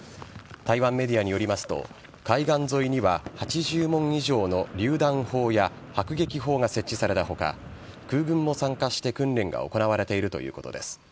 台湾メディアによりますと、海岸沿いには８０門以上のりゅう弾砲や迫撃砲が設置されたほか、空軍も参加して訓練が行われているということです。